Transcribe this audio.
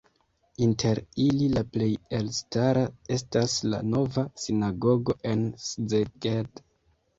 Inter ili la plej elstara estas la nova sinagogo en Szeged.